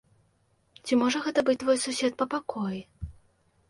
Ці можа гэта быць твой сусед па пакоі?